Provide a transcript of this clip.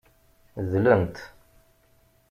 Dlen-t.